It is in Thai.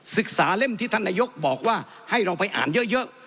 ศึกษาเล่มที่ท่านนายกบอกว่าให้เราไปอ่านเยอะ